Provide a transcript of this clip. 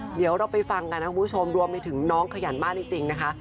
เดี๋ยวเราไปฟังกันนะคุณผู้ชมรวมไปถึงน้องขยันมากจริงนะคะ